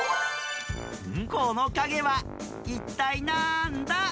このかげはいったいなんだ？